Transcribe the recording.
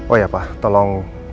oh ya pak tolong